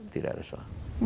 tidak ada soal